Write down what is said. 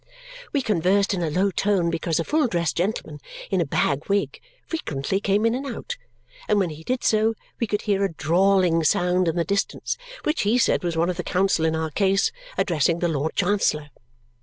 We conversed in a low tone because a full dressed gentleman in a bag wig frequently came in and out, and when he did so, we could hear a drawling sound in the distance, which he said was one of the counsel in our case addressing the Lord Chancellor.